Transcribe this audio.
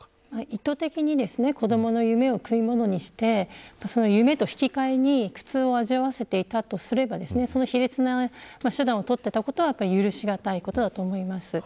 意図的に子どもの夢を食い物にして夢と引き換えに苦痛を味わせていたとすれば卑劣な手段を取ったことは許し難いことだと思います。